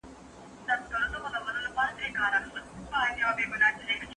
په څېړنه کې د هر ډول امتیازاتو مانا نسته.